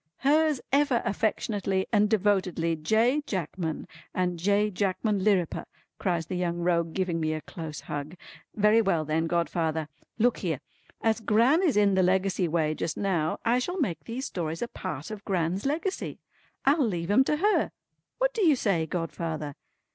"Hers ever affectionately and devotedly J. Jackman, and J. Jackman Lirriper," cries the Young Rogue giving me a close hug. "Very well then godfather. Look here. As Gran is in the Legacy way just now, I shall make these stories a part of Gran's Legacy. I'll leave 'em to her. What do you say godfather?"